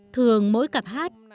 thường mỗi cặp hát